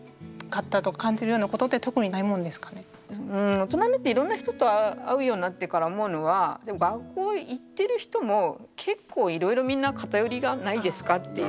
大人になっていろんな人と会うようになってから思うのは学校行ってる人も結構いろいろみんな偏りがないですかっていう。